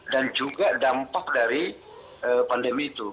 dan juga dampak dari pandemi itu